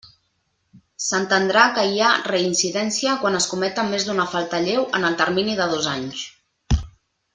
S'entendrà que hi ha reincidència quan es cometa més d'una falta lleu en el termini de dos anys.